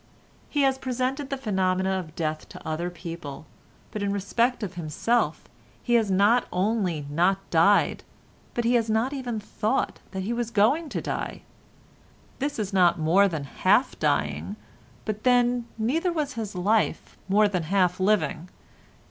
He has presented the phenomena of death to other people, but in respect of himself he has not only not died, but has not even thought that he was going to die. This is not more than half dying, but then neither was his life more than half living.